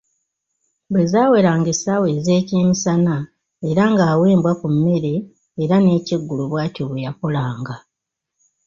Bwe zaaweranga essaawa ez'ekyemisana era ng'awa embwa ku mmere era n'ekyeggulo bw'atyo bweyakolanga.